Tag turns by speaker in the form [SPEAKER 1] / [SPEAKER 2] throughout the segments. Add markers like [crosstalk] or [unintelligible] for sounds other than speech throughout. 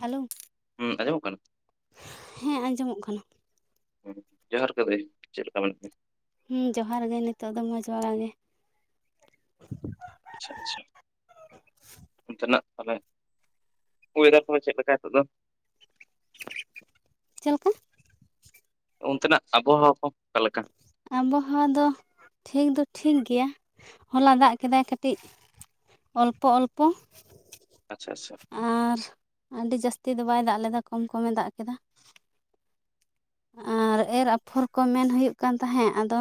[SPEAKER 1] Hello.
[SPEAKER 2] ᱦᱩᱸ ᱟᱸᱡᱚᱢᱚᱜ ᱠᱟᱱᱟ?
[SPEAKER 1] ᱦᱮᱸ ᱟᱸᱡᱚᱢᱚᱜ ᱠᱟᱱᱟ᱾
[SPEAKER 2] ᱦᱚᱸ ᱡᱚᱦᱟᱨ ᱜᱮ ᱫᱟᱹᱭ ᱪᱮᱫ ᱞᱮᱠᱟ ᱢᱮᱱᱟᱜ ᱢᱮᱭᱟ?
[SPEAKER 1] ᱦᱩᱸ ᱡᱚᱦᱟᱨ ᱜᱮ ᱱᱤᱛᱚᱜ ᱫᱚ ᱢᱚᱡᱽ ᱵᱟᱲᱟ ᱜᱮ᱾
[SPEAKER 2] ᱟᱪᱪᱷᱟ ᱟᱪᱪᱷᱟ᱾ ᱚᱱᱛᱮᱱᱟᱜ ᱛᱟᱦᱚᱞᱮ ᱚᱭᱮᱫᱟᱨ ᱠᱚᱫᱚ ᱪᱮᱫ ᱞᱮᱠᱟ ᱦᱤᱛᱚᱜ ᱫᱚ?
[SPEAKER 1] ᱪᱮᱫᱞᱮᱠᱟ?
[SPEAKER 2] ᱚᱱᱛᱮᱱᱟᱜ ᱟᱵᱚᱦᱟᱣᱟ ᱠᱚ ᱚᱠᱟ ᱞᱮᱠᱟ?
[SPEAKER 1] ᱟᱵᱚᱦᱟᱣᱟ ᱫᱚ ᱴᱷᱤᱠ ᱫᱚ ᱴᱷᱤᱠ ᱜᱮᱭᱟ ᱦᱚᱞᱟ ᱫᱟᱜ ᱠᱮᱫᱟᱭ ᱠᱟᱹᱴᱤᱡ᱾ ᱚᱞᱯᱚ ᱚᱞᱯᱚ᱾
[SPEAKER 2] ᱟᱪᱪᱷᱟ ᱟᱪᱪᱷᱟ᱾
[SPEAKER 1] ᱟᱨ ᱟᱹᱰᱤ ᱡᱟᱹᱥᱛᱤ ᱫᱚ ᱵᱟᱭ ᱫᱟᱜ ᱞᱮᱫᱟ ᱠᱚᱢ ᱠᱚᱢᱮ ᱫᱟᱜ ᱠᱮᱫᱟ᱾ ᱟᱨ ᱮᱨ ᱟᱯᱷᱚᱨ ᱠᱚ ᱢᱮᱱ ᱦᱩᱭᱩᱜ ᱠᱟᱱ ᱛᱟᱦᱮᱸᱫ ᱟᱫᱚ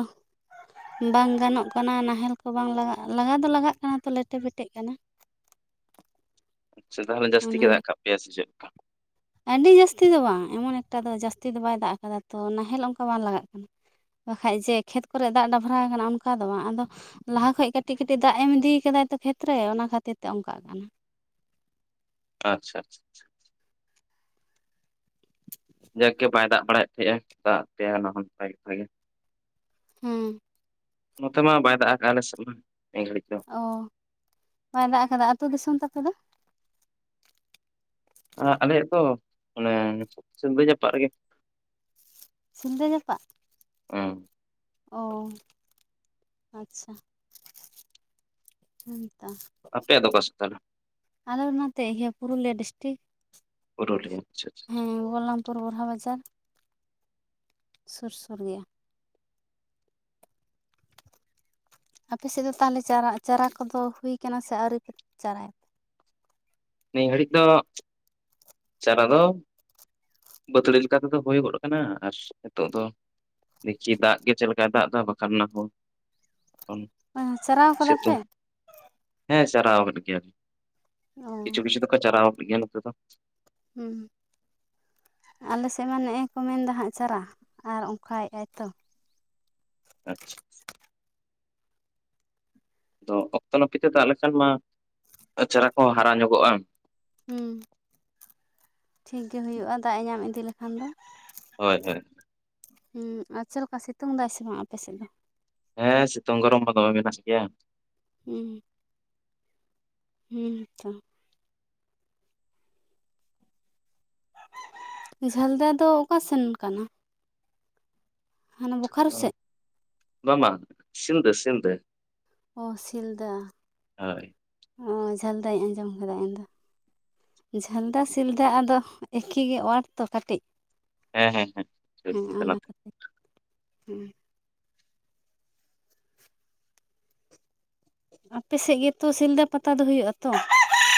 [SPEAKER 1] ᱵᱟᱝ ᱜᱟᱱᱚᱜ ᱠᱟᱱᱟ ᱱᱟᱦᱮᱞ ᱠᱚ ᱵᱟᱝ ᱞᱟᱜᱟᱜ ᱞᱟᱜᱟ ᱫᱚ ᱞᱟᱜᱟᱜ ᱠᱟᱱᱟ ᱛᱚ ᱞᱮᱴᱮ ᱯᱮᱴᱮᱜ ᱠᱟᱱᱟ᱾
[SPEAKER 2] ᱥᱮ ᱛᱟᱦᱚᱞᱮ ᱡᱟᱹᱥᱛᱤ ᱜᱮ ᱫᱟᱜ ᱠᱟᱜ ᱯᱮᱭᱟᱭ ᱥᱮ ᱪᱮᱫ?
[SPEAKER 1] ᱟᱰᱤ ᱡᱟᱹᱥᱛᱤ ᱫᱚ ᱵᱟᱝ ᱮᱢᱚᱱ ᱮᱠᱴᱟ ᱫᱚ ᱡᱟᱹᱥᱛᱤ ᱫᱚ ᱵᱟᱭ ᱫᱟᱜ ᱠᱟᱫᱟ ᱛᱚ ᱱᱟᱦᱮᱞ ᱚᱱᱠᱟ ᱵᱟᱝ ᱞᱟᱜᱟᱜ ᱠᱟᱱᱟ ᱾ ᱵᱟᱠᱷᱟᱡ ᱡᱮ ᱠᱷᱮᱛ ᱠᱚᱨᱮ ᱫᱟᱜ ᱰᱟᱵᱽᱨᱟ ᱠᱟᱱᱟ ᱚᱱᱠᱟ ᱫᱚ ᱵᱟᱝ ᱟᱫᱚ ᱞᱟᱦᱟ ᱠᱷᱚᱡ ᱠᱟᱹᱴᱤᱡ ᱠᱟᱹᱴᱤᱡ ᱫᱟᱜ ᱮᱢ ᱤᱫᱤ ᱠᱟᱫᱟᱭ ᱛᱚ ᱠᱷᱮᱛᱨᱮ ᱚᱱᱟ ᱠᱷᱟᱹᱛᱤᱨ ᱛᱮ ᱚᱱᱠᱟᱜ ᱠᱟᱱᱟ ᱾
[SPEAKER 2] ᱟᱪᱪᱷᱟ ᱟᱪᱪᱷᱟ ᱪᱷᱟ ᱪᱷᱟ᱾ ᱡᱟᱠ ᱜᱮ ᱵᱟᱭ ᱫᱟᱜ ᱵᱟᱲᱟᱭᱮᱫ ᱛᱟᱦᱮᱸᱜᱼᱟ ᱫᱟᱜ ᱟᱜ ᱯᱮᱭᱟᱭ ᱚᱱᱟ ᱦᱚᱸ ᱱᱟᱯᱟᱭ ᱠᱟᱛᱷᱟ ᱜᱮ᱾
[SPEAKER 1] ᱦᱩᱸ᱾
[SPEAKER 2] ᱱᱚᱛᱮ ᱢᱟ ᱵᱟᱭ ᱫᱟᱜ ᱟᱠᱜᱼᱟ ᱟᱞᱮᱥᱮᱜ ᱢᱟ ᱱᱤᱭᱟᱹ ᱜᱷᱟᱹᱲᱤᱡ ᱫᱚ᱾
[SPEAKER 1] ᱚᱻ ᱵᱟᱭ ᱫᱟᱜ ᱟᱠᱟᱫᱟ, ᱟᱹᱛᱩ ᱫᱤᱥᱚᱢ ᱛᱟᱯᱮ ᱫᱚ?
[SPEAKER 2] ᱟ ᱟᱞᱮᱭᱟᱜ ᱫᱚ ᱚᱱᱮ ᱥᱤᱞᱫᱟᱹ ᱡᱟᱯᱟᱜ ᱨᱮᱜᱮ᱾
[SPEAKER 1] ᱥᱤᱞᱫᱟᱹ ᱡᱟᱯᱟᱜ
[SPEAKER 2] ᱦᱩᱸ
[SPEAKER 1] ᱚᱻ ᱟᱪᱪᱷᱟ ᱦᱩᱸ ᱛᱚ᱾
[SPEAKER 2] ᱟᱯᱮᱭᱟᱜ ᱫᱚ ᱚᱠᱟᱥᱮᱜ ᱛᱟᱦᱞᱮ?
[SPEAKER 1] ᱟᱞᱮ ᱱᱚᱛᱮ ᱤᱭᱟᱹ ᱯᱩᱨᱩᱞᱤᱭᱟᱹ ᱰᱤᱥᱴᱤᱠ
[SPEAKER 2] ᱯᱩᱨᱩᱞᱤᱭᱟᱹ ᱟᱪᱪᱷᱟ ᱟᱪᱪᱷᱟ ᱟᱪᱪᱷᱟ᱾
[SPEAKER 1] ᱦᱮᱸ ᱵᱳᱞᱟᱢ ᱯᱩᱨ ᱵᱚᱨᱦᱟ ᱵᱟᱡᱟᱨ ᱥᱩᱨ ᱥᱩᱨ ᱜᱮᱭᱟ᱾ ᱟᱯᱮᱥᱮᱜ ᱫᱚ ᱛᱟᱦᱞᱮ ᱪᱟᱨᱟ ᱪᱟᱨᱟ ᱠᱚᱫᱚ ᱦᱩᱭᱠᱟᱱᱟ, ᱥᱮ ᱟᱹᱣᱨᱤ ᱯᱮ ᱪᱟᱨᱟᱭᱟ?
[SPEAKER 2] ᱱᱤᱭᱟᱹ ᱜᱷᱟᱹᱲᱤᱡ ᱫᱚ ᱪᱟᱨᱟ ᱫᱚ ᱵᱟᱹᱛᱷᱟᱹᱲᱤ ᱞᱮᱠᱟ ᱛᱮᱫᱚ ᱦᱩᱭ ᱜᱚᱱ ᱠᱟᱱᱟ ᱟᱨ ᱱᱤᱛᱚᱜ ᱫᱚ ᱫᱤᱠᱷᱩ ᱫᱟᱜ ᱜᱮ ᱪᱮᱫ ᱞᱮᱠᱟᱭ ᱫᱟᱜ ᱫᱚ ᱵᱟᱠᱷᱟᱱ ᱚᱱᱟ ᱦᱚᱸ
[SPEAKER 1] ᱦᱮᱸ ᱪᱟᱨᱟᱣ ᱠᱟᱫᱟ ᱯᱮ?
[SPEAKER 2] ᱦᱮᱸ ᱥᱟᱨᱟᱣᱟᱠᱟᱜ ᱜᱮᱭᱟ ᱞᱮ
[SPEAKER 1] ᱚ
[SPEAKER 2] ᱠᱤᱪᱷᱩ ᱠᱤᱪᱷᱩ ᱫᱚᱠᱚ ᱪᱟᱨᱟᱣᱟᱠᱟᱜ ᱜᱮᱭᱟ ᱱᱚᱛᱮ ᱫᱚ᱾
[SPEAKER 1] ᱦᱩᱸ᱾ ᱟᱞᱮᱥᱮᱜ ᱢᱟ ᱱᱮᱜᱼᱮ ᱠᱚ ᱢᱮᱱᱫᱟ ᱦᱟᱸᱜ ᱪᱟᱨᱟ ᱟᱨ ᱚᱱᱠᱟᱭᱮᱜ-ᱟᱭ ᱛᱚ᱾
[SPEAKER 2] ᱟᱪᱪᱷᱟ ᱪᱷᱟ᱾ ᱛᱚ ᱚᱠᱛᱚ ᱱᱟᱹᱯᱤᱛᱮ ᱫᱟᱜ ᱞᱮᱱᱠᱷᱟᱱ ᱢᱟ ᱪᱟᱨᱟ ᱠᱚ ᱦᱚᱸ ᱦᱟᱨᱟ ᱧᱚᱜᱚᱜᱼᱟ᱾
[SPEAKER 1] ᱦᱩᱸ ᱴᱷᱤᱠᱜ ᱜᱮ ᱦᱩᱭᱩᱜᱼᱟ ᱫᱟᱜ ᱮ ᱧᱟᱢ ᱤᱫᱤ ᱞᱮᱠᱷᱟᱱ ᱫᱚ᱾
[SPEAKER 2] ᱦᱳᱭ ᱦᱳᱭ᱾
[SPEAKER 1] ᱦᱮᱸ ᱟᱨ ᱪᱮᱜ ᱞᱮᱠᱟ ᱥᱤᱛᱩᱝ ᱮᱫᱟᱭ ᱥᱮ ᱵᱟᱝ ᱟᱯᱮ ᱥᱮᱜ ᱫᱚ
[SPEAKER 2] ᱦᱮᱸ ᱥᱤᱛᱩᱝ ᱜᱚᱨᱚᱢ ᱢᱟ ᱫᱚᱢᱮ ᱢᱮᱱᱟᱥ ᱜᱮᱭᱟ
[SPEAKER 1] ᱩᱸ ᱦᱮᱸ ᱛᱚ ᱡᱷᱟᱞᱫᱟ ᱫᱚ ᱚᱠᱟ ᱥᱮᱱ ᱠᱟᱱᱟ? ᱦᱟᱱᱟ ᱵᱳᱠᱟᱨᱳ
[SPEAKER 2] ᱦᱚᱭ
[SPEAKER 1] ᱥᱮᱫ
[SPEAKER 2] ᱵᱟᱝ ᱵᱟᱝ ᱥᱤᱞᱫᱟᱹ ᱥᱤᱞᱫᱟᱹᱼᱼ
[SPEAKER 1] ᱚᱻ ᱥᱤᱞᱫᱟᱹ
[SPEAKER 2] ᱦᱳᱭ
[SPEAKER 1] ᱚ ᱡᱷᱟᱞ ᱫᱟᱹᱧ ᱟᱸᱡᱚᱢ ᱟᱠᱟᱫᱟ ᱤᱧᱫᱚᱼᱼ ᱡᱷᱟᱹᱞᱫᱟ ᱥᱤᱞᱫᱟᱹ ᱟᱫᱚ ᱮᱠᱷᱤ ᱜᱮ ᱚᱣᱟᱰ ᱛᱚ ᱠᱟᱹᱴᱤᱡ
[SPEAKER 2] ᱦᱮᱸ ᱦᱮᱸ ᱦᱮᱸ
[SPEAKER 1] ᱦᱮᱸ ᱚᱱᱟ ᱠᱷᱟᱹᱛᱤᱨ ᱦᱮᱸᱼᱼ ᱟᱯᱮ ᱥᱮᱜ ᱜᱮᱛᱚ ᱥᱤᱞᱫᱟᱹ ᱯᱟᱛᱟ ᱫᱚ ᱦᱩᱭᱩᱜᱼᱟ ᱛᱚ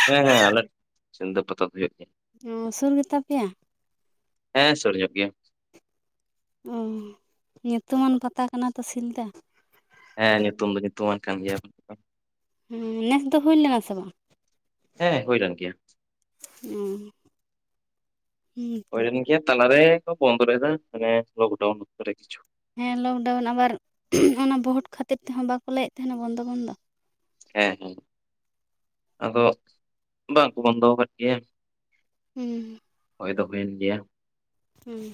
[SPEAKER 2] ᱦᱮᱸ ᱦᱮᱸ ᱟᱞᱮ ᱥᱤᱞᱫᱟᱹ ᱯᱟᱛᱟ ᱫᱚ ᱦᱩᱭᱩᱜ ᱜᱮᱭᱟ
[SPEAKER 1] ᱚᱸ ᱥᱩᱨ ᱜᱮ ᱛᱟᱯᱮᱭᱟ?
[SPEAKER 2] ᱦᱮᱸ ᱥᱩᱨ ᱧᱚᱜ ᱜᱮᱭᱟ
[SPEAKER 1] ᱚᱸ ᱧᱩᱛᱩᱢᱟᱱ ᱯᱟᱛᱟ ᱠᱟᱱᱟ ᱛᱚ ᱥᱤᱞᱫᱟᱹ
[SPEAKER 2] ᱦᱮᱸ ᱧᱩᱛᱩᱢ ᱫᱚ ᱧᱩᱛᱩᱢᱟᱱ ᱠᱟᱱ ᱜᱮᱭᱟ [unintelligible]
[SPEAKER 1] ᱦᱩᱸ ᱱᱮᱥ ᱫᱚ ᱦᱩᱭ ᱞᱮᱱᱟ ᱥᱮ ᱵᱟᱝ?
[SPEAKER 2] ᱦᱮᱸ ᱦᱩᱭ ᱞᱮᱱ ᱜᱮᱭᱟ ᱾
[SPEAKER 1] ᱮᱸ ᱦᱩᱸ ᱛᱚ
[SPEAKER 2] [unintelligible] ᱛᱟᱞᱟᱨᱮ ᱠᱚ ᱵᱚᱱᱫ ᱞᱮᱫᱟ ᱢᱟᱱᱮ ᱞᱚᱠᱰᱟᱻᱩᱱ ᱚᱠᱛᱚ ᱨᱮ ᱠᱤᱪᱷᱩ
[SPEAKER 1] ᱦᱮᱸ ᱞᱚᱠᱰᱟᱣᱩᱱ ᱟᱵᱟᱨ ᱚᱱᱟ ᱵᱷᱳᱴ ᱠᱷᱟᱹᱛᱤᱨ ᱛᱮᱦᱚᱸ ᱵᱟᱠᱚ ᱞᱟᱹᱭᱮᱜ ᱛᱟᱦᱮᱸᱱᱟ ᱵᱚᱱᱫᱚ ᱵᱚᱱᱫᱚ
[SPEAKER 2] ᱦᱮᱸ ᱦᱮᱸ ᱟᱫᱚ ᱵᱟᱝ ᱠᱚ ᱵᱚᱱᱫᱚ ᱟᱠᱟᱫ ᱜᱮᱭᱟ
[SPEAKER 1] ᱦᱩᱸ
[SPEAKER 2] ᱦᱳᱭ ᱫᱚ ᱦᱩᱭ ᱮᱱ ᱜᱮᱭᱟ
[SPEAKER 1] ᱦᱩᱸ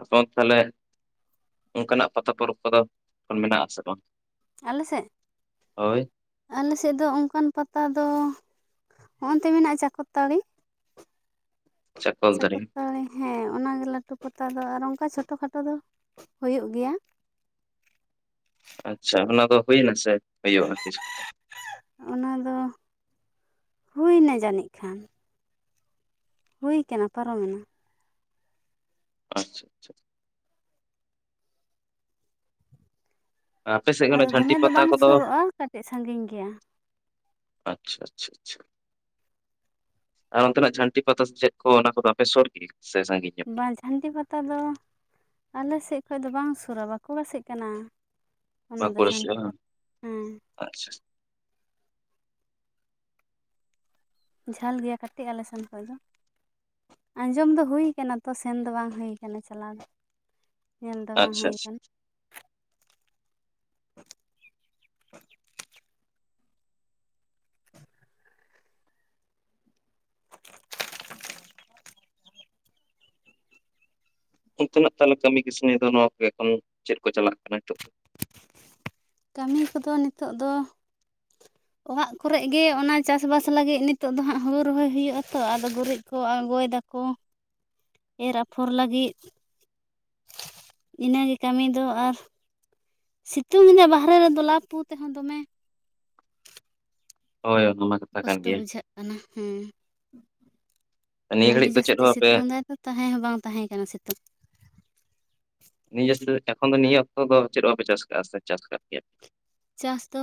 [SPEAKER 2] ᱟᱯᱮ ᱚᱱᱛᱮ ᱛᱟᱦᱚᱞᱮ ᱚᱱᱠᱟᱱᱟᱜ ᱯᱟᱛᱟ ᱯᱚᱨᱚᱵᱽ ᱠᱚᱫᱚ ᱢᱮᱱᱟᱜ ᱟᱥᱮ ᱵᱟᱝ?
[SPEAKER 1] ᱟᱞᱮ ᱥᱮᱫ?
[SPEAKER 2] ᱦᱳᱭ
[SPEAKER 1] ᱟᱞᱮ ᱥᱮᱫ ᱫᱚ ᱚᱱᱠᱟᱱ ᱯᱟᱛᱟ ᱫᱚ ᱦᱚᱜ-ᱚᱱᱛᱮ ᱢᱮᱱᱟᱜ-ᱟ ᱪᱟᱠᱚᱞᱛᱟᱹᱲᱤ ᱾
[SPEAKER 2] ᱪᱟᱠᱚᱞ ᱫᱟᱨᱮ
[SPEAKER 1] ᱪᱟᱠᱚᱞᱛᱟᱹᱲᱤ ᱦᱮᱸ ᱚᱱᱟ ᱜᱮ ᱞᱟᱹᱴᱩ ᱯᱟᱛᱟ ᱫᱚ ᱟᱨ ᱚᱱᱠᱟ ᱪᱷᱳᱴᱳ ᱠᱷᱟᱴᱳ ᱫᱚ ᱦᱩᱭᱩᱜ ᱜᱮᱭᱟ ᱾
[SPEAKER 2] ᱟᱪᱪᱷᱟ ᱚᱱᱟ ᱫᱚ ᱦᱩᱭᱱᱟ ᱥᱮ ᱦᱩᱭᱩᱜ-ᱟ ᱛᱤᱥ ᱠᱚᱛᱮ?
[SPEAKER 1] ᱚᱱᱟ ᱫᱚ ᱦᱩᱭ ᱱᱟ ᱡᱟᱹᱱᱤᱡ ᱠᱷᱟᱱ ᱾ ᱦᱩᱭ ᱠᱟᱱᱟ ᱯᱟᱨᱚᱢᱮᱱᱟ ᱾
[SPEAKER 2] ᱟᱪᱪᱷᱟ ᱟᱪᱪᱷᱟ ᱾ ᱟᱯᱮ ᱥᱮᱫ
[SPEAKER 1] ᱟᱫᱚ
[SPEAKER 2] ᱠᱷᱚᱱᱟᱜ ᱡᱷᱟᱹᱱᱴᱤ
[SPEAKER 1] ᱫᱚᱢᱮ ᱫᱚ
[SPEAKER 2] ᱯᱟᱛᱟ
[SPEAKER 1] ᱵᱟᱝ
[SPEAKER 2] ᱠᱚᱫᱚ
[SPEAKER 1] ᱥᱩᱨᱩᱜᱼᱟ ᱠᱟᱹᱴᱤᱡ ᱥᱟᱺᱜᱤᱧ ᱜᱮᱭᱟ
[SPEAKER 2] ᱟᱪᱪᱷᱟ ᱟᱪᱪᱷᱟ ᱟᱪᱪᱷᱟ ᱟᱪᱪᱷᱟ ᱟᱨ ᱚᱱᱛᱮᱱᱟᱜ ᱡᱷᱟᱹᱱᱴᱤ ᱯᱟᱛᱟ ᱪᱮᱫ ᱠᱚ ᱚᱱᱟ ᱠᱚᱫᱚ ᱟᱯᱮ ᱥᱚᱨ ᱜᱮ ᱥᱮ ᱥᱟᱺᱜᱤᱧ? ᱧᱚᱜ ᱜᱮᱭᱟ
[SPEAKER 1] ᱵᱟᱝ ᱡᱷᱟᱹᱱᱴᱤ ᱯᱟᱛᱟ ᱫᱚ ᱟᱞᱮ ᱥᱮᱫ ᱠᱷᱚᱡ ᱫᱚ ᱵᱟᱝ ᱥᱩᱨᱟ ᱵᱟᱠᱩᱲᱟ ᱥᱮᱜ ᱠᱟᱱᱟ ᱾
[SPEAKER 2] ᱵᱟᱠᱩᱲᱟ ᱥᱮᱜ ᱵᱟᱝ?
[SPEAKER 1] ᱦᱮᱸ
[SPEAKER 2] ᱟᱪᱪᱷᱟ ᱾
[SPEAKER 1] ᱡᱷᱟᱹᱞ ᱜᱮᱭᱟ ᱠᱟᱹᱴᱤᱡ ᱟᱞᱮ ᱥᱮᱱ ᱠᱷᱚᱡ ᱫᱚ ᱾ ᱟᱸᱡᱚᱢ ᱫᱚ ᱦᱩᱭ ᱟᱠᱟᱱᱟ ᱛᱚ ᱥᱮᱱ ᱫᱚ ᱵᱟᱝ ᱦᱩᱭ ᱟᱠᱟᱱᱟ ᱪᱟᱞᱟᱣ ᱫᱚ ᱧᱮᱞ ᱫᱚ ᱵᱟᱝ
[SPEAKER 2] ᱟᱪᱪᱷᱟ
[SPEAKER 1] ᱦᱩᱭ
[SPEAKER 2] ᱟᱪᱪᱷᱟ
[SPEAKER 1] ᱟᱠᱟᱱᱟ ᱾ [inaudible] [inaudible]
[SPEAKER 2] ᱚᱱᱛᱮᱱᱟᱜ ᱛᱟᱦᱚᱞᱮ ᱠᱟᱹᱢᱤ ᱠᱟᱹᱥᱱᱤ ᱫᱚ ᱱᱚᱣᱟ ᱠᱚ ᱮᱠᱷᱚᱱ ᱪᱮᱫ ᱠᱚ ᱪᱟᱞᱟᱜ ᱠᱟᱱᱟ ᱱᱤᱛᱚᱜ?
[SPEAKER 1] ᱠᱟᱹᱢᱤ ᱠᱚᱫᱚ ᱱᱤᱛᱚᱜ ᱫᱚ ᱚᱲᱟᱜ ᱠᱚᱨᱮᱜ ᱜᱮ ᱚᱱᱟ ᱪᱟᱥ ᱵᱟᱥ ᱞᱟᱹᱜᱤᱫ ᱱᱤᱛᱚᱜ ᱫᱚ ᱦᱟᱸᱜ ᱦᱳᱲᱩ ᱨᱚᱦᱚᱭ ᱦᱩᱭᱩᱜ-ᱟ ᱛᱚ ᱟᱫᱚ ᱜᱩᱨᱤᱡ ᱠᱚ ᱟᱬᱜᱚᱭ ᱫᱟᱠᱚ ᱾
[SPEAKER 2] [inaudible]
[SPEAKER 1] ᱮᱨ ᱟᱯᱷᱚᱨ ᱞᱟᱹᱜᱤᱫ ᱾ ᱤᱱᱟᱹᱜᱮ ᱠᱟᱹᱢᱤ ᱫᱚ ᱟᱨ ᱥᱤᱛᱩᱝ ᱮᱫᱟ ᱵᱟᱦᱨᱮ ᱨᱮ ᱫᱚ ᱞᱟ ᱯᱩ ᱛᱮᱦᱚᱸ ᱫᱚᱢᱮ
[SPEAKER 2] ᱦᱳᱭ ᱚᱱᱟ ᱠᱟᱛᱷᱟ ᱠᱟᱱ
[SPEAKER 1] ᱠᱚᱥᱴᱚ
[SPEAKER 2] ᱜᱮᱭᱟ
[SPEAKER 1] ᱵᱩᱡᱷᱟᱹᱜ ᱠᱟᱱᱟ ᱦᱩᱸ
[SPEAKER 2] ᱱᱤᱭᱟᱹ
[SPEAKER 1] ᱟᱹᱰᱤ
[SPEAKER 2] ᱜᱷᱟᱹᱲᱤᱡ ᱫᱚ ᱪᱮᱫ
[SPEAKER 1] ᱡᱟᱹᱥᱛᱤ
[SPEAKER 2] ᱦᱚᱸ ᱵᱟᱯᱮ
[SPEAKER 1] ᱥᱤᱛᱩᱝ ᱮᱫᱟ ᱛᱟᱦᱮᱸ ᱦᱚᱸ ᱵᱟᱝ ᱛᱟᱦᱮᱸ ᱠᱟᱱᱟ ᱥᱤᱛᱩᱝ ᱾
[SPEAKER 2] ᱱᱤᱡᱮ [unintelligible] ᱮᱠᱷᱚᱱ ᱫᱚ ᱱᱤᱭᱟᱹ ᱚᱠᱛᱚ ᱫᱚ ᱪᱮᱫ ᱵᱟᱯᱮ ᱪᱟᱥ ᱠᱟᱜ-ᱟ ᱥᱮ ᱪᱟᱥ ᱠᱟᱫ ᱜᱮᱭᱟ?
[SPEAKER 1] ᱪᱟᱥ ᱫᱚ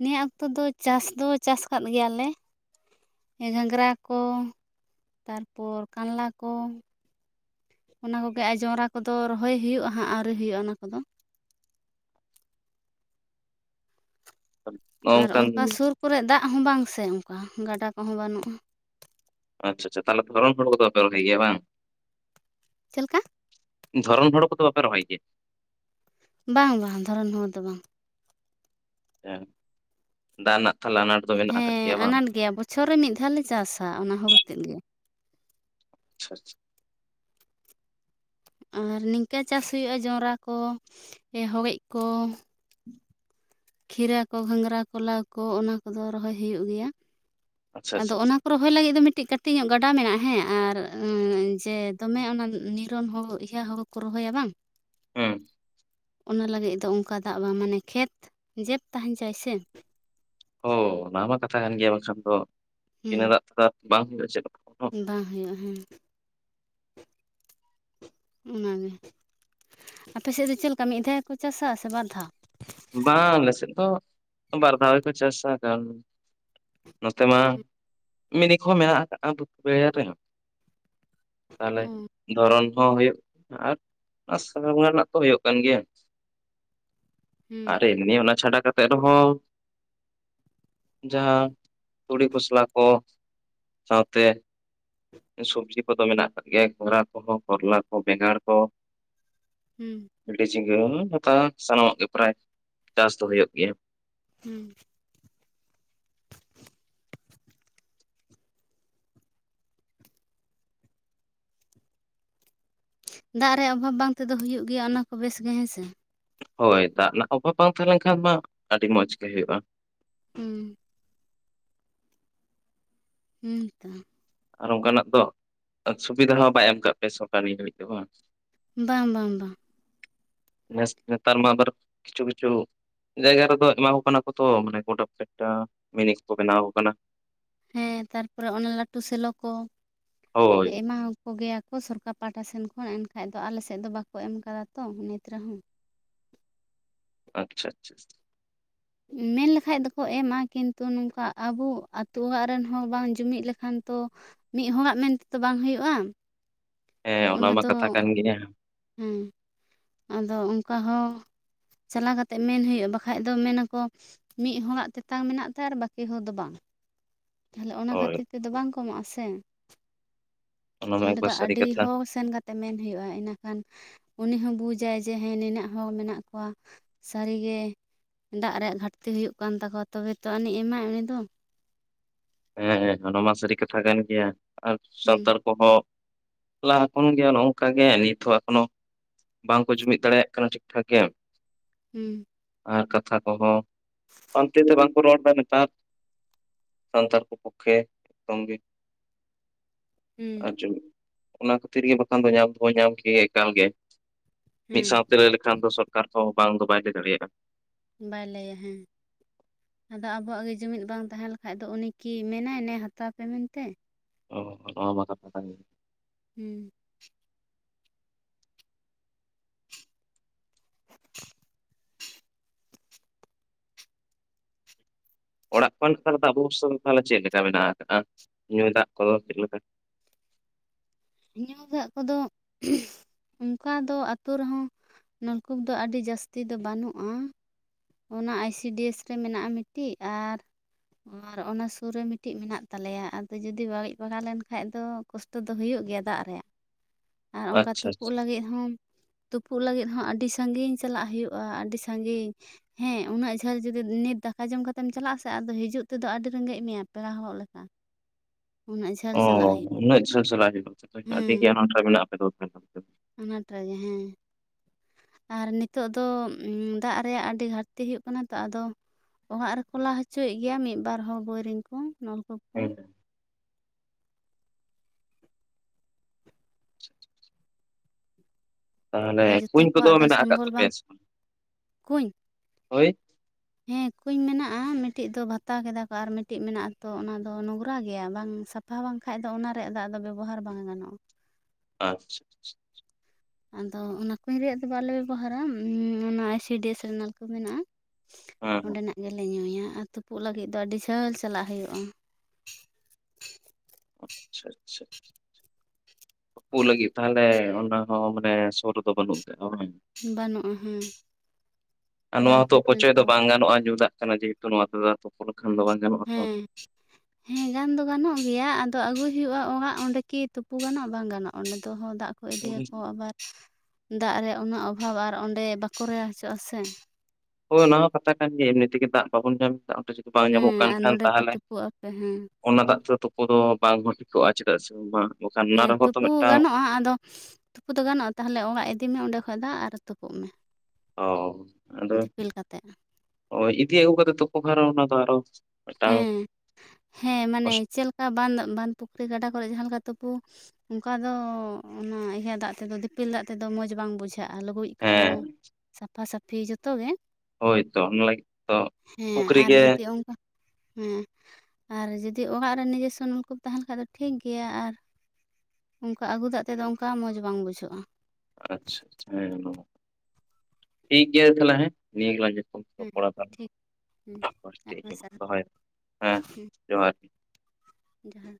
[SPEAKER 1] ᱱᱤᱭᱟᱹ ᱚᱠᱛᱚ ᱫᱚ ᱪᱟᱥ ᱫᱚ ᱪᱟᱥ ᱟᱠᱟᱫ ᱜᱮᱭᱟᱞᱮ ᱮᱸ ᱜᱷᱟᱸᱝᱽᱨᱟ ᱠᱚ, ᱛᱟᱨᱯᱚᱨ ᱠᱟᱞᱞᱟ ᱠᱚ ᱚᱱᱟ ᱠᱚᱜᱮ ᱟᱨ ᱡᱚᱸᱰᱨᱟ ᱠᱚᱫᱚ ᱨᱚᱦᱚᱭ ᱦᱩᱭᱩᱜ-ᱟ ᱦᱟᱸᱜ ᱟᱹᱣᱨᱤ ᱦᱩᱭᱩᱜ-ᱟ ᱚᱱᱟ ᱠᱚᱫᱚ ᱾
[SPEAKER 2] ᱠᱷᱟᱹᱞᱤ
[SPEAKER 1] ᱟᱨ ᱚᱱᱠᱟ ᱥᱳᱨ ᱠᱚᱨᱮ ᱫᱟᱜ ᱦᱚᱸ ᱵᱟᱝ ᱥᱮ ᱚᱱᱠᱟ ᱜᱟᱰᱟ ᱠᱚᱦᱚᱸ ᱵᱟᱹᱱᱩᱜ-ᱟ ᱾
[SPEAKER 2] ᱟᱪᱪᱷᱟ ᱟᱪᱪᱷᱟ ᱛᱟᱞᱦᱮ ᱫᱷᱚᱨᱚᱱ ᱦᱩᱲᱩ ᱠᱚᱫᱚ ᱵᱟᱯᱮ ᱨᱚᱦᱚᱭ ᱜᱮᱭᱟ ᱵᱟᱝ?
[SPEAKER 1] ᱪᱮᱫ ᱞᱮᱠᱟ?
[SPEAKER 2] ᱫᱷᱚᱨᱚᱱ ᱦᱳᱲᱳ ᱠᱚᱫᱚ ᱵᱟᱯᱮ ᱨᱚᱦᱚᱭ ᱜᱮᱭᱟ?
[SPEAKER 1] ᱵᱟᱝ ᱵᱟᱝ ᱫᱷᱚᱨᱚᱱ ᱦᱳᱲᱳ ᱫᱚ ᱵᱟᱝ ᱾
[SPEAKER 2] ᱦᱮ ᱫᱟᱜ ᱨᱮᱱᱟᱜ ᱛᱟᱞᱦᱮ ᱟᱱᱟᱴ ᱫᱚ ᱢᱮᱱᱟᱜ ᱟᱠᱟᱫ ᱜᱮᱭᱟ ᱵᱟᱝ?
[SPEAKER 1] ᱪᱷᱚᱨ ᱨᱮ ᱢᱤᱫ ᱫᱷᱟᱣ ᱞᱮ ᱪᱟᱥᱟ ᱚᱱᱟ ᱦᱳᱲᱳ ᱛᱮᱫ ᱜᱮ ᱾
[SPEAKER 2] ᱟᱪᱪᱷᱟ ᱟᱪᱪᱷᱟ
[SPEAKER 1] ᱟᱨ ᱱᱤᱝᱠᱟᱹ ᱪᱟᱥ ᱦᱩᱭᱩᱜᱼᱟ ᱡᱚᱱᱨᱟ ᱠᱚ, ᱦᱚᱲᱮᱡ ᱠᱚ, ᱠᱷᱤᱨᱟ ᱠᱚ, ᱜᱷᱟᱸᱝᱨᱟ ᱠᱚ, ᱞᱟᱹᱣ ᱠᱚ ᱚᱱᱟ ᱠᱚᱫᱚ ᱨᱚᱦᱚᱭ ᱦᱩᱭᱩᱜ ᱜᱮᱭᱟ
[SPEAKER 2] ᱟᱪᱪᱷᱟ
[SPEAKER 1] ᱾ ᱟᱫᱚ
[SPEAKER 2] ᱟᱪᱪᱷᱟ ᱟᱪᱪᱷᱟ
[SPEAKER 1] ᱚᱱᱟ
[SPEAKER 2] ᱟᱪᱪᱷᱟ
[SPEAKER 1] ᱠᱚᱨᱮ ᱨᱚᱦᱚᱭ ᱞᱟᱹᱜᱤᱫ ᱫᱚ ᱢᱤᱫᱴᱤᱡ ᱠᱟᱹᱴᱤᱡ ᱧᱚᱜ ᱜᱟᱰᱟ ᱢᱮᱱᱟᱜ-ᱟ ᱦᱮᱸ ᱟᱨ ᱡᱮ ᱫᱚᱢᱮ ᱚᱱᱟ ᱱᱤᱨᱚᱱ ᱦᱳᱲᱳ ᱤᱭᱟᱹ ᱦᱳᱲᱳ ᱠᱚ ᱨᱚᱦᱚᱭᱟ ᱵᱟᱝ?
[SPEAKER 2] ᱦᱮᱸ
[SPEAKER 1] ᱚᱱᱟ ᱞᱟᱹᱜᱤᱫ ᱫᱚ ᱚᱱᱠᱟ ᱫᱟᱜ ᱵᱟᱝ ᱢᱟᱱᱮ ᱠᱷᱮᱛ ᱡᱮᱫ ᱛᱟᱦᱮᱱ ᱪᱟᱹᱭ ᱥᱮ?
[SPEAKER 2] ᱚ ᱚᱱᱟ ᱢᱟ ᱠᱟᱛᱷᱟ ᱠᱟᱱ ᱜᱮᱭᱟ ᱵᱟᱝᱠᱷᱟᱱ ᱫᱚ ᱤᱱᱟᱹ ᱫᱟᱜ
[SPEAKER 1] ᱦᱩᱸ
[SPEAKER 2] ᱛᱮ ᱫᱚ ᱵᱟᱝ ᱦᱩᱭᱩᱜ-ᱟ ᱪᱮᱫ ᱾
[SPEAKER 1] ᱵᱟᱝ ᱦᱩᱭᱩᱜᱼᱟ ᱦᱮᱸ ᱾ ᱚᱱᱟᱜᱮ ᱟᱯᱮᱥᱮᱜ ᱫᱚ ᱪᱮᱫᱞᱮᱠᱟ ᱢᱤᱫ ᱫᱷᱟ ᱜᱮ ᱠᱚ ᱪᱟᱥᱟ ᱥᱮ ᱵᱟᱨ ᱫᱷᱟ?
[SPEAKER 2] ᱵᱟᱝ ᱟᱞᱮ ᱥᱮᱫ ᱫᱚ ᱵᱟᱨ ᱫᱷᱟᱣ ᱜᱮᱠᱚ ᱪᱟᱥᱟ ᱠᱟᱨᱚᱱ, ᱱᱚᱛᱮ ᱢᱟ ᱢᱤᱱᱤ ᱠᱚ ᱦᱚᱸ ᱢᱮᱱᱟᱜ ᱟᱠᱟᱜᱼᱟ ᱫᱩᱯ ᱯᱮᱭᱮ ᱨᱮ ᱾ ᱛᱟᱞᱦᱮ
[SPEAKER 1] ᱚ
[SPEAKER 2] ᱫᱷᱚᱨᱚᱱ ᱦᱚᱸ ᱦᱳᱭᱳᱜ ᱟᱨ ᱥᱟᱨᱟ ᱵᱩᱱᱟ ᱱᱟᱜ ᱠᱚ ᱦᱳᱭᱳᱜ ᱠᱟᱱ ᱜᱮᱭᱟ ᱾
[SPEAKER 1] ᱦᱩᱸ
[SPEAKER 2] ᱟᱨᱮ ᱮᱢᱱᱤ ᱚᱱᱟ ᱪᱷᱟᱰᱟ ᱠᱟᱛᱮᱜ ᱨᱮᱦᱚᱸ ᱡᱟᱦᱟᱸ ᱛᱩᱲᱤ ᱠᱷᱚᱥᱞᱟ ᱠᱚ ᱥᱟᱶᱛᱮ ᱼᱼᱼ ᱥᱚᱵᱽᱡᱤ ᱠᱚᱫᱚ ᱢᱮᱱᱟᱜ ᱠᱟᱫ ᱜᱮᱭ ᱠᱚᱷᱨᱟ ᱠᱚᱦᱚᱸ ᱠᱚᱨᱚᱞᱟ ᱠᱚ ᱵᱮᱸᱜᱟᱲ ᱠᱚ ᱾
[SPEAKER 1] ᱦᱩᱸ
[SPEAKER 2] ᱵᱷᱤᱲᱤ ᱡᱷᱤᱸᱜᱟᱹ ᱦᱚᱛᱟᱥ ᱥᱟᱱᱟᱢᱚᱜ ᱜᱮ ᱯᱨᱟᱭ ᱪᱟᱥ ᱫᱚ ᱦᱳᱭᱳᱜ ᱜᱮᱭᱟ ᱾
[SPEAKER 1] ᱦᱩᱸ ᱫᱟᱜ ᱨᱮ ᱚᱵᱷᱟᱵᱽ ᱵᱟᱝ ᱛᱮᱫᱚ ᱦᱩᱭᱩᱜ ᱜᱮᱭᱟ ᱚᱱᱟ ᱠᱚ ᱵᱮᱥ ᱜᱮ ᱦᱮᱸᱥᱮ ᱾
[SPEAKER 2] ᱦᱳᱭ ᱫᱟᱜ ᱨᱮᱱᱟᱜ ᱚᱵᱷᱟᱵᱽ ᱵᱟᱝ ᱛᱟᱦᱮᱸ ᱞᱮᱱ ᱠᱷᱟᱱ ᱢᱟ ᱟᱹᱰᱤ ᱢᱚᱸᱡᱽ ᱜᱮ ᱦᱳᱭᱳᱜᱼᱟ ᱾
[SPEAKER 1] ᱩᱸ ᱦᱩᱸ ᱛᱚ ᱾
[SPEAKER 2] ᱟᱨ ᱚᱱᱠᱟᱱᱟᱜ ᱛᱚ ᱥᱩᱵᱤᱫᱷᱟ ᱦᱚᱸ ᱵᱟᱭ ᱮᱢ ᱠᱟᱜ ᱯᱮᱭᱟ ᱥᱚᱨᱠᱟᱨ ᱱᱤᱭᱟᱹ ᱜᱷᱟᱹᱲᱤᱡ ᱛᱮ ᱵᱟᱝ?
[SPEAKER 1] ᱵᱟᱢ ᱵᱟᱢ ᱵᱟ ᱾
[SPEAKER 2] ᱱᱮᱥ ᱱᱮᱛᱟᱨ ᱢᱟ ᱟᱵᱟᱨ ᱠᱤᱪᱷᱩ ᱠᱤᱪᱷᱩ ᱡᱟᱭᱜᱟ ᱨᱮᱫᱚ ᱮᱢᱟ ᱠᱚ ᱠᱟᱱᱟ ᱛᱚ ᱢᱟᱱᱮ ᱜᱟᱴᱟᱯ ᱮᱠᱴᱟ ᱢᱤᱱᱤ ᱠᱚ ᱠᱚ ᱵᱮᱱᱟᱣ ᱟᱠᱚ ᱠᱟᱱᱟ ᱾
[SPEAKER 1] ᱦᱮᱸ ᱛᱟᱨᱯᱚᱨᱮ ᱚᱱᱟ ᱞᱟᱹᱴᱩ ᱥᱮᱞᱚ ᱠᱚ
[SPEAKER 2] ᱦᱳᱭ
[SPEAKER 1] ᱮᱢᱟᱣ ᱾ ᱠᱚ ᱜᱮᱭᱟ ᱠᱚ ᱥᱚᱨᱠᱟᱨ ᱯᱟᱦᱴᱟ ᱥᱮᱱ ᱠᱷᱚᱱ ᱮᱱᱠᱷᱟᱡ ᱫᱚ ᱟᱞᱮ ᱥᱮᱜ ᱫᱚ ᱵᱟᱠᱚ ᱮᱢ ᱠᱟᱫᱟ ᱛᱚ ᱱᱤᱛ ᱨᱮᱦᱚᱸ ᱾
[SPEAKER 2] ᱟᱪᱪᱷᱟ ᱟᱪᱪᱷᱟ
[SPEAKER 1] ᱢᱮᱱ ᱞᱮᱠᱷᱟᱡ ᱫᱚᱠᱚ ᱮᱢᱟ ᱠᱤᱱᱛᱩ ᱱᱚᱝᱠᱟ ᱟᱵᱩ ᱟᱹᱛᱩ ᱚᱲᱟᱜ ᱨᱮᱱ ᱦᱚᱸ ᱵᱟᱝ ᱡᱩᱢᱤᱫ ᱞᱮᱠᱷᱟᱱ ᱛᱚ ᱢᱤᱜ ᱦᱚᱲᱟᱜ ᱢᱮᱱ ᱛᱮᱫᱚ ᱵᱟᱝ ᱦᱳᱭᱳᱜᱼᱟ ᱾
[SPEAKER 2] ᱦᱮᱸ ᱚᱱᱟ
[SPEAKER 1] ᱚᱸᱰᱮ
[SPEAKER 2] ᱢᱟ
[SPEAKER 1] ᱫᱚ
[SPEAKER 2] ᱠᱟᱛᱷᱟ ᱠᱟᱱ ᱜᱮᱭᱟ
[SPEAKER 1] ᱦᱮᱸ ᱟᱫᱚ ᱚᱝᱠᱟ ᱦᱚᱸ ᱾ ᱪᱟᱞᱟᱣ ᱠᱟᱛᱮᱜ ᱢᱮᱱ ᱦᱩᱭᱩᱜ ᱵᱟᱠᱷᱟᱡ ᱫᱚ ᱢᱮᱱᱟ ᱠᱚ ᱢᱤᱜ ᱦᱚᱲᱟᱜ ᱛᱮᱛᱟᱝ ᱢᱮᱱᱟᱜ ᱛᱟᱭᱟ ᱟᱨ ᱵᱟᱹᱠᱤ ᱦᱚᱲ ᱫᱚ ᱵᱟᱝ ᱾ ᱛᱷᱟᱞᱮ ᱚᱱᱟ
[SPEAKER 2] ᱦᱳᱭ
[SPEAKER 1] ᱠᱷᱟᱹᱛᱤᱨ ᱛᱮᱫᱚ ᱵᱟᱝ ᱠᱚᱢᱚᱜᱼᱟ ᱥᱮ
[SPEAKER 2] ᱚᱱᱟ ᱢᱟ
[SPEAKER 1] ᱚᱸᱰᱮ
[SPEAKER 2] ᱮᱠᱵᱟᱨ
[SPEAKER 1] ᱫᱚ
[SPEAKER 2] ᱥᱟᱹᱨᱤ
[SPEAKER 1] ᱟᱹᱰᱤ
[SPEAKER 2] ᱠᱟᱛᱷᱟ
[SPEAKER 1] ᱦᱚᱸ ᱥᱮᱱ ᱜᱟᱛ ᱛᱮ ᱢᱮᱱ ᱦᱳᱭᱳᱜᱼᱟ ᱤᱱᱟᱹ ᱠᱷᱟᱱ ᱾ ᱩᱱᱤ ᱦᱚᱸ ᱵᱩᱡᱟᱭ ᱡᱮ ᱦᱮᱸ ᱱᱤᱱᱟᱹᱜ ᱦᱚᱲ ᱢᱮᱱᱟᱜ ᱠᱚᱣᱟ ᱥᱟᱹᱨᱤ ᱜᱮ ᱾ ᱫᱟᱜ ᱨᱮᱭᱟᱜ ᱜᱷᱟᱴᱛᱤ ᱦᱩᱭᱩᱜ ᱠᱟᱱ ᱛᱟᱠᱚᱣᱟ ᱛᱚᱵᱮ ᱛᱚ ᱟᱹᱱᱤᱡ ᱮᱢᱟᱭ ᱩᱱᱤ ᱫᱚ ᱾
[SPEAKER 2] ᱦᱮᱸ ᱦᱮᱸ ᱚᱱᱟ ᱢᱟ ᱥᱟᱹᱨᱤ ᱠᱟᱛᱷᱟ ᱠᱟᱱ ᱜᱮᱭᱟ ᱟᱨ
[SPEAKER 1] ᱦᱩᱸ
[SPEAKER 2] ᱥᱟᱱᱛᱟᱲ ᱠᱚᱦᱚᱸ ᱞᱟᱦᱟ ᱠᱷᱚᱱ ᱜᱮ ᱚ ᱱᱚᱝᱠᱟ ᱜᱮ ᱱᱤᱛ ᱦᱚᱸ ᱮᱠᱷᱚᱱᱳ ᱵᱟᱝ ᱠᱚ ᱡᱩᱢᱤᱜ ᱫᱟᱲᱮᱭᱟᱜ ᱠᱟᱱᱟ ᱴᱷᱤᱠ ᱴᱷᱟᱠ ᱜᱮ ᱾
[SPEAKER 1] ᱦᱩᱸ
[SPEAKER 2] ᱟᱨ ᱠᱟᱛᱷᱟ ᱠᱚᱦᱚᱸ ᱯᱟᱱᱛᱮ ᱛᱮ ᱵᱟᱝᱠᱚ ᱨᱚᱲᱫᱟ ᱱᱮᱛᱟᱨ ᱾ ᱥᱟᱱᱛᱟᱲ ᱠᱚ ᱯᱚᱠᱷᱮ ᱮᱠᱫᱚᱢᱜᱤ
[SPEAKER 1] ᱦᱩᱸ
[SPEAKER 2] ᱟᱡᱩᱜ ᱾ ᱚᱱᱟ ᱠᱷᱟᱹᱛᱤᱨ ᱜᱤ ᱵᱟᱠᱷᱟᱱ ᱫᱚ ᱧᱟᱢ ᱫᱚᱵᱚᱱ ᱧᱟᱢ ᱠᱮ ᱮᱠᱟᱞ ᱜᱮ ᱢᱤᱜ
[SPEAKER 1] ᱦᱩᱸ
[SPEAKER 2] ᱥᱟᱶ ᱛᱮ ᱞᱟᱹᱭ ᱞᱮᱠᱷᱟᱱ ᱫᱚ ᱥᱚᱜ ᱠᱟᱨᱦᱚᱸ ᱵᱟᱝ ᱫᱚ ᱵᱟᱭ ᱞᱟᱹᱭ ᱫᱟᱲᱮᱭᱟᱜᱼᱟ ᱾
[SPEAKER 1] ᱵᱟᱭ ᱞᱟᱹᱭᱟ ᱦᱮᱸ ᱾ ᱟᱫᱚ ᱟᱵᱚᱣᱟᱜ ᱜᱮ ᱡᱩᱢᱤᱫ ᱵᱟᱝ ᱛᱟᱦᱮᱸ ᱞᱮᱠᱷᱟᱡ ᱫᱚ ᱩᱱᱤ ᱠᱤ ᱢᱮᱱᱟᱭ ᱱᱮ ᱦᱟᱛᱟᱣ ᱯᱮ ᱢᱮᱱ ᱛᱮ ᱾
[SPEAKER 2] ᱚ ᱱᱚᱣᱟ ᱵᱟ ᱠᱟᱛᱷᱟ ᱠᱟᱱ ᱜᱮ᱾
[SPEAKER 1] ᱦᱩᱸ
[SPEAKER 2] ᱚᱲᱟᱜ ᱠᱷᱚᱱ [unintelligible] ᱟᱵᱚ ᱥᱮᱱ ᱛᱟᱦᱚᱞᱮ ᱪᱮᱜ ᱞᱮᱠᱟ ᱢᱮᱱᱟ ᱠᱟᱱᱟ ᱧᱩ ᱫᱟᱜ ᱠᱚᱫᱚ ᱪᱮᱜ ᱞᱮᱠᱟ ᱾
[SPEAKER 1] ᱧᱩ ᱫᱟᱜ ᱠᱚᱫᱚ [inaudible] ᱚᱝᱠᱟ ᱫᱚ ᱟᱛᱳ ᱨᱮᱦᱚᱸ ᱱᱚᱞᱠᱩᱯ ᱫᱚ ᱟᱹᱰᱤ ᱡᱟᱹᱥᱛᱤ ᱫᱚ ᱵᱟᱹᱱᱩᱜᱼᱟ ᱾ ᱚᱱᱟ ᱟᱭᱥᱤᱰᱤ ᱮᱥ ᱨᱮ ᱢᱮᱱᱟᱜᱼᱟ ᱢᱤᱫᱴᱤᱡ ᱟᱨ ᱾ ᱟᱨ ᱚᱱᱟ ᱥᱩᱨ ᱨᱮ ᱢᱤᱫᱴᱤᱡ ᱢᱮᱱᱟᱜ ᱛᱟᱞᱮᱭᱟ ᱟᱫᱚ ᱡᱩᱫᱤ ᱵᱟᱹᱲᱤᱡ ᱵᱟᱲᱟ ᱞᱮᱱ ᱠᱷᱟᱡ ᱫᱚ ᱠᱚᱥᱴᱚ ᱫᱚ ᱦᱳᱭᱳᱜ ᱜᱮᱭᱟ ᱫᱟᱜ ᱨᱮᱭᱟᱜ ᱟᱨ ᱚᱝᱠᱟ
[SPEAKER 2] ᱟᱪᱪᱷᱟ
[SPEAKER 1] ᱛᱩᱯᱩᱜ
[SPEAKER 2] ᱟᱪᱪᱷᱟ
[SPEAKER 1] ᱞᱟᱹᱜᱤᱫ ᱦᱚᱸ ᱾ ᱛᱩᱯᱩᱜ ᱞᱟᱹᱜᱤᱫ ᱦᱚᱸ ᱟᱹᱰᱤ ᱥᱟᱺᱜᱤᱧ ᱪᱟᱞᱟᱜ ᱦᱳᱭᱳᱜᱼᱟ, ᱟᱹᱰᱤ ᱥᱟᱹᱜᱤᱧ ᱾ ᱦᱮᱸ ᱩᱱᱟᱹᱜ ᱡᱷᱟᱹᱞ ᱡᱩᱫᱤ ᱱᱤᱛ ᱫᱟᱠᱟ ᱡᱚᱢ ᱠᱟᱛᱮᱢ ᱪᱟᱞᱟᱜᱼᱟ ᱥᱮ ᱟᱫᱚ ᱦᱤᱡᱩᱜ ᱛᱮᱫᱚ ᱟᱹᱰᱤ ᱨᱮᱸᱜᱮᱡ ᱢᱮᱭᱟ ᱯᱮᱲᱟ ᱦᱚᱸᱜ ᱞᱮᱠ
[SPEAKER 2] [inaudible] ᱚ
[SPEAKER 1] ᱦᱩᱭᱩᱜᱼᱟ
[SPEAKER 2] ᱩᱱᱟᱹᱜ ᱡᱷᱟᱹᱞ ᱪᱟᱞᱟᱜ ᱦᱩᱭᱩᱜᱼᱟ ᱟᱹᱰᱤ ᱜᱮ ᱟᱱᱟᱴ [unintelligible]
[SPEAKER 1] ᱚᱱᱟᱴ ᱨᱮᱜᱮ ᱦᱮᱸᱼᱼ ᱟᱨ ᱱᱤᱛᱚᱜ ᱫᱚ ᱫᱟᱜ ᱨᱮᱭᱟᱜ ᱟᱹᱰᱤ ᱜᱷᱟᱨᱛᱤ ᱦᱩᱭᱩᱜ ᱠᱟᱱᱟ ᱛᱚ ᱟᱫᱚᱼᱼ ᱚᱲᱟᱜ ᱨᱮᱠᱚ ᱞᱟ ᱦᱚᱪᱚᱭᱮᱫ ᱜᱮᱭᱟ ᱢᱤᱫ ᱵᱟᱨ ᱦᱚᱸ ᱵᱳᱨᱤ ᱨᱮᱱ ᱠᱚ ᱱᱚᱞᱠᱩᱯ ᱠᱚ
[SPEAKER 2] ᱦᱮᱸ ᱦᱮᱸ ᱛᱟᱦᱚᱞᱮ
[SPEAKER 1] ᱟᱫᱚ ᱡᱚᱛᱚ
[SPEAKER 2] ᱠᱩᱸᱧ ᱠᱚᱫᱚ
[SPEAKER 1] ᱠᱚᱣᱟᱜ ᱫᱚ
[SPEAKER 2] ᱢᱮᱱᱟᱜ ᱟᱠᱟᱫ
[SPEAKER 1] ᱥᱚᱢᱵᱚᱞ
[SPEAKER 2] ᱛᱟᱯᱮᱭᱟ ᱥᱮ ᱵᱟᱝ
[SPEAKER 1] ᱠᱩᱧ
[SPEAKER 2] ᱦᱳᱭ
[SPEAKER 1] ᱦᱮᱸ ᱠᱩᱧ ᱢᱮᱱᱟᱜᱼᱟ ᱢᱤᱫᱴᱤᱡ ᱫᱚ ᱵᱷᱟᱛᱟ ᱠᱮᱫᱟ ᱠᱚ ᱟᱨ ᱢᱤᱫᱴᱤᱡ ᱢᱮᱱᱟᱜᱼᱟᱛᱚ ᱚᱱᱟ ᱫᱚ ᱱᱚᱝᱨᱟ ᱜᱮᱭᱟ ᱵᱟᱝ ᱥᱟᱯᱷᱟ ᱥᱟᱯᱷᱟ ᱵᱟᱝ ᱠᱷᱟᱡ ᱫᱚ ᱚᱱᱟ ᱨᱮᱭᱟᱜ ᱫᱟᱜ ᱫᱚ ᱵᱮᱵᱚᱦᱟᱨ ᱵᱟᱝ ᱜᱟᱱᱚᱜᱼᱟ
[SPEAKER 2] ᱟᱪᱪᱷᱟ ᱟᱪᱪᱷᱟ
[SPEAKER 1] ᱟᱫᱚ ᱚᱱᱟ ᱠᱩᱧ ᱨᱮᱭᱟᱜ ᱫᱚ ᱵᱟᱞᱮ ᱵᱮᱵᱚᱦᱟᱨᱟ ᱚᱱᱟ ᱟᱭ. ᱥᱤ. ᱰᱤ. ᱮᱥ ᱱᱟᱞ ᱠᱚ ᱢᱮᱱᱟᱜᱼᱟ
[SPEAKER 2] ᱦᱮᱸ
[SPEAKER 1] ᱚᱸᱰᱮᱱᱟᱜ ᱜᱮᱞᱮ ᱧᱩᱭᱟ ᱟᱨ ᱛᱩᱯᱩᱜ ᱞᱟᱹᱜᱤᱫ ᱫᱚ ᱟᱹᱰᱤ ᱡᱷᱟᱹᱞ ᱪᱟᱞᱟᱜ ᱦᱩᱭᱩᱜᱼᱟ
[SPEAKER 2] ᱟᱪᱪᱷᱟ ᱟᱪᱪᱷᱟ ᱟᱪᱷᱟ ᱛᱩᱯᱩ ᱞᱟᱹᱜᱤᱫ ᱛᱟᱦᱚᱞᱮ ᱚᱱᱟ ᱦᱚᱸ ᱢᱟᱱᱮ ᱥᱩᱨ ᱨᱮᱫᱚ ᱵᱟᱹᱱᱩᱜ ᱛᱮ ᱵᱟᱝ?
[SPEAKER 1] ᱵᱟᱱᱩᱜᱼᱟ ᱦᱩᱸ᱾
[SPEAKER 2] ᱟᱨ ᱱᱚᱣᱟ ᱦᱚᱸᱛᱚ ᱚᱯᱚᱪᱚᱭ ᱫᱚ ᱵᱟᱝ ᱜᱟᱱᱚᱜᱼᱟ ᱧᱩᱫᱟᱜ ᱠᱟᱱᱟ ᱡᱮᱦᱮᱛᱩ ᱱᱚᱣᱟ ᱛᱮᱫᱚ ᱛᱳᱯᱳ ᱞᱮᱠᱷᱟᱱ ᱫᱚ ᱵᱟᱝ ᱜᱟᱱᱚᱜᱼᱟ᱾ ᱛᱚ
[SPEAKER 1] [inaudible] ᱦᱮᱸ ᱜᱟᱱ ᱫᱚ ᱜᱟᱱᱚᱜ ᱜᱮᱭᱟ, ᱟᱫᱚ ᱟᱹᱜᱩᱭ ᱦᱩᱭᱩᱜᱼᱟ ᱚᱲᱟᱜ ᱚᱸᱰᱮ ᱠᱤ ᱛᱩᱯᱩ ᱜᱟᱱᱚᱜᱼᱟ ᱵᱟᱝ ᱜᱟᱱᱚᱜᱼᱟ ᱚᱸᱰᱮ ᱫᱚ ᱫᱟᱜ ᱠᱚ ᱤᱫᱤᱭᱟᱠᱚ ᱟᱵᱟᱨ ᱫᱟᱜ ᱨᱮᱭᱟᱜ ᱩᱱᱟᱹᱜ ᱚᱵᱷᱟᱵᱽ ᱟᱨ ᱚᱸᱰᱮ ᱵᱟᱠᱚ ᱨᱮᱭᱟᱲ ᱦᱚᱪᱚᱜᱼᱟ ᱥᱮ᱾
[SPEAKER 2] ᱦᱳᱭ ᱚᱱᱟ ᱦᱚᱸ ᱠᱟᱛᱷᱟ ᱠᱟᱱ ᱜᱮᱭᱟ ᱮᱢᱱᱤ ᱛᱮᱜᱮ ᱫᱟᱜ ᱵᱟᱵᱚᱱ ᱧᱟᱢᱫᱟ ᱚᱸᱰᱮ ᱡᱩᱫᱤ ᱵᱟᱝ
[SPEAKER 1] ᱦᱮᱸ
[SPEAKER 2] ᱧᱟᱢᱚᱜ ᱠᱟᱱ
[SPEAKER 1] ᱟᱨ
[SPEAKER 2] ᱠᱷᱟᱱ
[SPEAKER 1] ᱱᱚᱸᱰᱮ ᱯᱮ
[SPEAKER 2] ᱛᱟᱦᱟᱞᱮ
[SPEAKER 1] ᱛᱩᱯᱩᱜ ᱟᱯᱮ ᱦᱮᱸ
[SPEAKER 2] ᱚᱱᱟ ᱫᱟᱜ ᱛᱮᱫᱚ ᱛᱩᱯᱩ ᱫᱚ ᱵᱟᱝ ᱦᱚᱸ ᱴᱷᱤᱠᱟᱹᱜᱼᱟ ᱪᱮᱫᱟᱜ ᱥᱮ ᱵᱟᱝ ᱵᱟᱠᱷᱟᱱ ᱚᱱᱟ
[SPEAKER 1] ᱦᱮᱸ
[SPEAKER 2] ᱨᱮᱦᱚᱸ ᱛᱚ
[SPEAKER 1] ᱛᱩᱯᱩ
[SPEAKER 2] ᱢᱤᱫᱴᱟᱝ
[SPEAKER 1] ᱜᱟᱱᱚᱜᱼᱟ, ᱟᱫᱚ ᱛᱩᱯᱩ ᱫᱚ ᱜᱟᱱᱚᱜᱼᱟ ᱛᱟᱦᱚᱞᱮ ᱚᱲᱟᱜ ᱤᱫᱤ ᱢᱮ ᱚᱸᱰᱮ ᱠᱷᱚᱡ ᱫᱟᱜ ᱟᱨ ᱛᱩᱯᱩᱜ ᱢᱮ᱾
[SPEAKER 2] ᱚ ᱟᱫᱚ
[SPEAKER 1] ᱫᱤᱯᱤᱞ ᱠᱟᱛᱮᱜ
[SPEAKER 2] ᱤᱫᱤ ᱟᱹᱜᱩ ᱠᱟᱛᱮ ᱛᱳᱯᱳ ᱠᱷᱟᱱ ᱚᱱᱟ ᱫᱚ ᱟᱨᱚ ᱢᱤᱫᱴᱟᱝ
[SPEAKER 1] ᱦᱮᱸ ᱦᱮᱸ ᱢᱟᱱᱮ
[SPEAKER 2] ᱠᱚᱥ
[SPEAKER 1] ᱪᱮᱱ ᱞᱮᱠᱟ ᱵᱟᱸᱫ ᱵᱟᱸᱫ ᱯᱩᱠᱷᱨᱤ ᱜᱟᱰᱟ ᱠᱚᱨᱮ ᱡᱟᱦᱟᱸ ᱞᱮᱠᱟ ᱛᱩᱯᱩ ᱚᱱᱠᱟ ᱫᱚ ᱚᱱᱟ ᱤᱭᱟᱹ ᱫᱟᱜ ᱛᱮᱫᱚ ᱫᱤᱯᱤᱞ ᱫᱟᱜ ᱛᱮᱫᱚ ᱢᱚᱸᱡᱽ ᱵᱟᱝ ᱵᱩᱡᱷᱟᱹᱜ ᱟᱜᱼᱟ ᱞᱩᱜᱽᱲᱤᱡ ᱠᱚᱦᱚᱸ
[SPEAKER 2] ᱦᱮᱸ
[SPEAKER 1] ᱥᱟᱯᱷᱟ ᱥᱟᱹᱯᱷᱤ ᱡᱚᱛᱚ ᱜᱮ᱾
[SPEAKER 2] ᱦᱳᱭ ᱛᱚ ᱚᱱᱟ ᱞᱟᱹᱜᱤᱫ ᱛᱚ
[SPEAKER 1] ᱦᱮᱸ
[SPEAKER 2] ᱯᱩᱠᱷᱨᱤ
[SPEAKER 1] ᱟᱨ
[SPEAKER 2] ᱜᱮ
[SPEAKER 1] ᱡᱩᱫᱤ ᱚᱝᱠᱟ ᱦᱮᱸ, ᱟᱨ ᱡᱩᱫᱤ ᱚᱲᱟᱜ ᱨᱮ ᱱᱤᱡᱮᱥᱥᱚ ᱱᱩᱞᱠᱩᱯ ᱛᱟᱦᱮᱱ ᱠᱷᱟᱱ ᱫᱚ ᱴᱷᱤᱠ ᱜᱮᱭᱟ ᱟᱨ ᱚᱝᱠᱟ ᱟᱹᱜᱩ ᱫᱟᱜ ᱛᱮᱫᱚ ᱚᱱᱠᱟ ᱢᱚᱡᱽ ᱵᱟᱝ ᱵᱩᱡᱷᱟᱹᱜᱼᱟ᱾
[SPEAKER 2] ᱟᱪᱪᱷᱟ ᱟᱪᱪᱷᱟ ᱦᱮᱸ, ᱴᱷᱤᱠ ᱜᱮᱭᱟ ᱛᱟᱦᱚᱞᱮ ᱦᱮᱸ ᱱᱤᱭᱟᱹ ᱜᱮᱞᱟᱝ ᱡᱟ
[SPEAKER 1] ᱦᱩᱸ ᱴᱷᱤᱠ ᱦᱩᱸ
[SPEAKER 2] ᱵᱮᱥ ᱴᱷᱤᱠ
[SPEAKER 1] ᱟᱭᱢᱟ
[SPEAKER 2] ᱜᱮᱭᱟ
[SPEAKER 1] ᱥᱟᱨᱦᱟᱣ
[SPEAKER 2] ᱫᱚᱦᱚᱭ ᱦᱮᱸ
[SPEAKER 1] ᱦᱩᱸ᱾
[SPEAKER 2] ᱡᱚᱦᱟᱨ ᱜᱮ᱾
[SPEAKER 1] ᱡᱚᱦᱟᱨ᱾